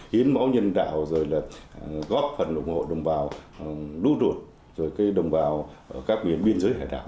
hiến mẫu nhân đạo rồi là góp phần ủng hộ đồng bào lũ ruột rồi cái đồng bào các nguyên biên giới hải đảo